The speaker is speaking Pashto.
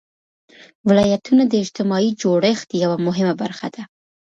ولایتونه د اجتماعي جوړښت یوه مهمه برخه ده.